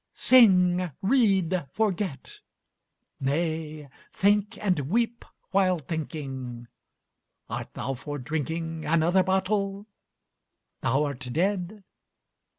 Sing, read, forget; nay, think and weep while thinking. Art thou for drinking Another bottle? Thou art dead?